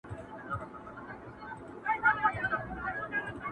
ووایه نسیمه نن سبا ارغوان څه ویل!!!!!